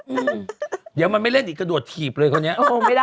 อืมเดี๋ยวมันไม่เล่นอีกกระโดดถีบเลยคนนี้